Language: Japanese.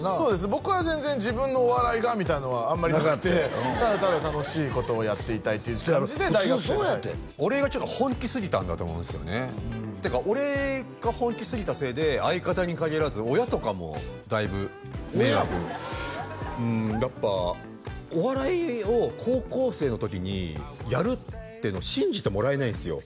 僕は全然自分のお笑いがみたいなのはあんまりなくてただただ楽しいことをやっていたいっていう感じで普通そうやって俺がちょっと本気すぎたんだと思うんですよねってか俺が本気すぎたせいで相方に限らず親とかもだいぶ迷惑うんやっぱお笑いを高校生の時にやるっていうの信じてもらえないんですよ